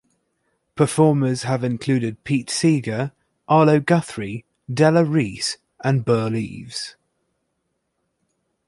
Performers have included Pete Seeger, Arlo Guthrie, Della Reese, and Burl Ives.